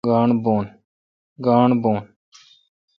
گاݨڈ بھو ۔